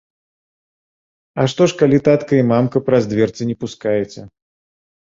А што ж, калі татка і мамка праз дзверы не пускаеце.